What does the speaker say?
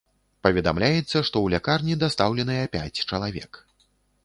Паведамляецца, што ў лякарні дастаўленыя пяць чалавек.